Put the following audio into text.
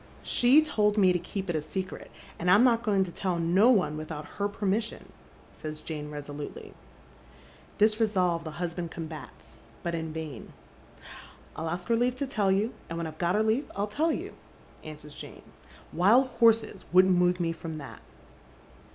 " She told me to keep it a secret, and I'm not going to tell no ©ne without her permission," says Jane resolutely. This resolve the husband combats, but in vain. " I'll arst her leaf to tell you, and when I've got her leaf 111 tell you," answers Jane. " Wild horses wouldn't move me from that."